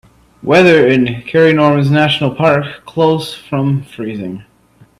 Weather in Cairngorms-Nationalpark close from freezing